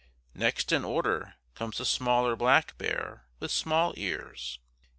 Next in order comes the smaller black bear with small ears.